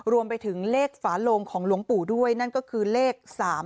รวมไปถึงเลขฝาโลงของหลวงปู่ด้วยนั่นก็คือเลข๓๒